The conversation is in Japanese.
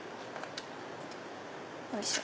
よいしょ。